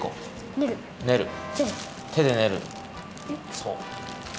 そう。